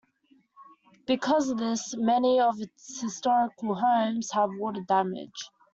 Because of this, many of its historical homes have water damage.